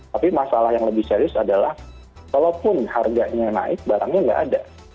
tapi masalah yang lebih serius adalah kalaupun harganya naik barangnya nggak ada